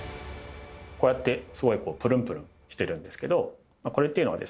こうやってすごいこうぷるんぷるんしてるんですけどこれっていうのはですね